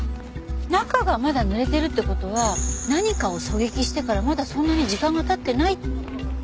中がまだ濡れてるって事は何かを狙撃してからまだそんなに時間が経ってないって事ですよね。